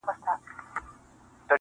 یوه بل ته چي ورکړي مو وه زړونه -